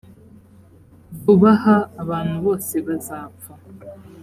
vuba aha abantu bose bazapfa